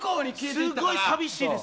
すごい寂しいです。